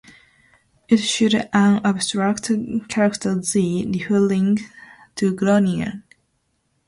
It showed an abstract character "G," referring to "Groningen.